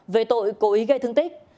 về tội cố ý gây thương tích